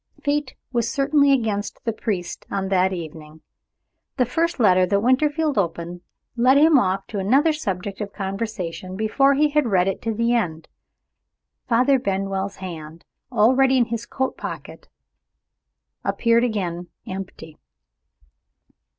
Fate was certainly against the priest on that evening. The first letter that Winterfield opened led him off to another subject of conversation before he had read it to the end. Father Benwell's hand, already in his coat pocket, appeared again empty.